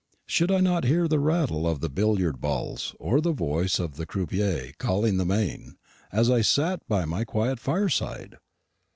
Should I not hear the rattle of the billiard balls, or the voice of the croupier calling the main, as I sat by my quiet fireside?